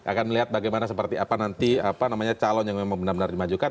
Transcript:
akan melihat bagaimana nanti calon yang benar benar dimajukan